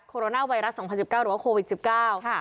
โคโรนาไวรัส๒๐๑๙หรือว่าโควิด๑๙